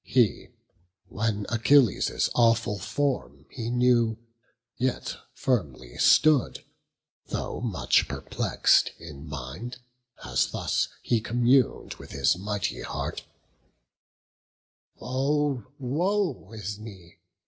He, when Achilles' awful form he knew, Yet firmly stood, though much perplex'd in mind, As thus he commun'd with his mighty heart: "Oh woe is me!